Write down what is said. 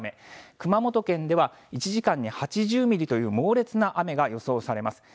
熊本県では、１時間に８０ミリという、猛烈な雨が予想されます。